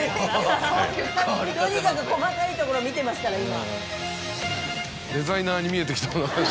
とにかく細かいところ見てますから今。